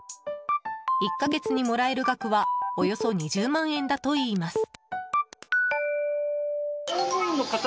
１か月にもらえる額はおよそ２０万円だといいます。